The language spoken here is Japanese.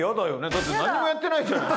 だって何にもやってないじゃない。